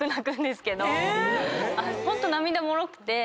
ホント涙もろくて。